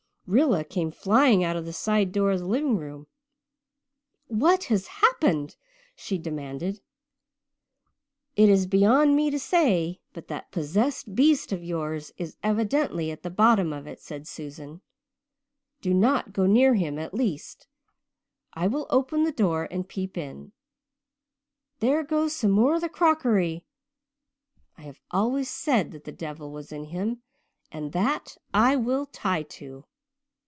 Rilla came flying out of the side door of the living room. "What has happened?" she demanded. "It is beyond me to say, but that possessed beast of yours is evidently at the bottom of it," said Susan. "Do not go near him, at least. I will open the door and peep in. There goes some more of the crockery. I have always said that the devil was in him and that I will tie to."